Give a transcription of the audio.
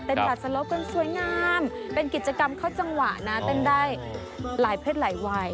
จัดสลบกันสวยงามเป็นกิจกรรมเข้าจังหวะนะเต้นได้หลายเพศหลายวัย